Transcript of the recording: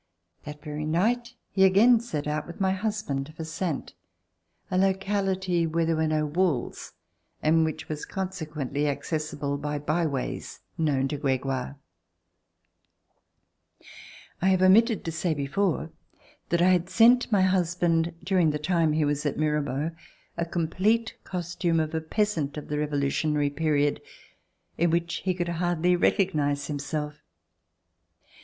That very night he again set out with my husband for Saintes, a locality where there were no walls and which was consequently accessible by byways known to Gregoire. I have omitted to say before that I had sent my [i6i] RECOLLECTIONS OF THE REVOLUTION husband, during the time that he was at Mirambeau, a complete costume of a peasant of the Revolutionary period, in which he could hardly recognize himself.